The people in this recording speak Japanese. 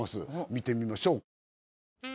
見てみましょう。